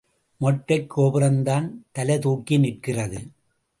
மொட்டைக் கோபுரம்தான் தலை தூக்கி நிற்கிறது.